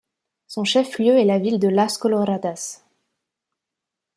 Son chef-lieu est la ville de Las Coloradas.